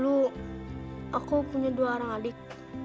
dulu aku punya dua orang adik